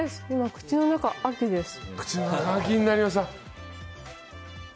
口の中秋になりました。